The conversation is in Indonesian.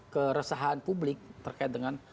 keresahan publik terkait dengan